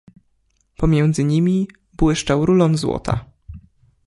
"Pomiędzy nimi błyszczał rulon złota."